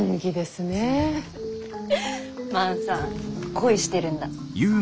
フッ万さん恋してるんだ？